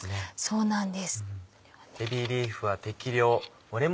そうなんです。